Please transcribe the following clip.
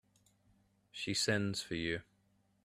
She sends for you.